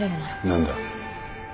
何だ？